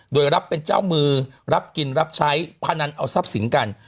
โดยรับเป็นเจ้ามือรับกินรับใช้พนันเอาทรัพย์สินกัน